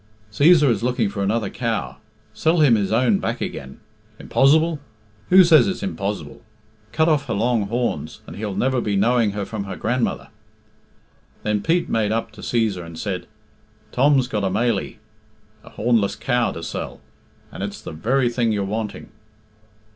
"Cæsar is looking for another cow sell him his own back again. Impozz'ble? Who says it's impozz'ble? Cut off her long horns, and he'll never be knowing her from her grandmother." Then Pete made up to Cæsar and said, "Tom's got a mailie (hornless) cow to sell, and it's the very thing you're wanting."